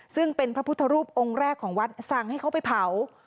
ซึ่งเป็นพระพุทธรูปองค์แรกของวัดสั่งให้เขาไปเผา